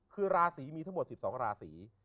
คือราศีมีทั้งหมด๑๒ราศี